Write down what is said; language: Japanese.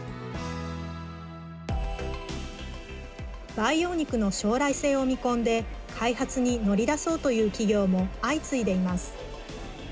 培養肉の将来性を見込んで開発に乗り出そうという企業も相次いでいます。